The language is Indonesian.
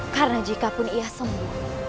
karena jikapun ia sembuh